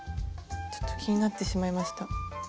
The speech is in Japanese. ちょっと気になってしまいました。